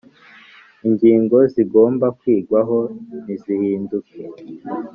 ingingo zigomba kwigwaho ntizihinduke